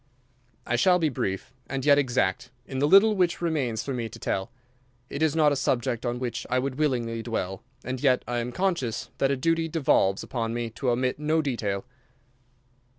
I shall be brief, and yet exact, in the little which remains for me to tell. It is not a subject on which I would willingly dwell, and yet I am conscious that a duty devolves upon me to omit no detail.